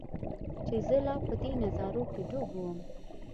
چې زۀ لا پۀ دې نظارو کښې ډوب ووم